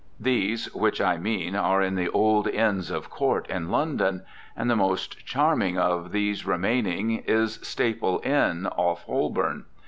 These which I mean are in the old Inns of Court in London. And the most charming of these remaining is Staple Inn, off Holborn.